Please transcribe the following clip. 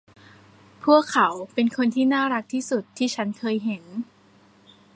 พวกเขาเป็นคนที่น่ารักที่สุดที่ฉันเคยเห็น